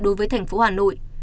đối với thành phố hà nội